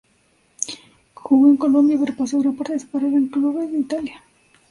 Jugó en Colombia, pero pasó gran parte de su carrera en clubes de Italia.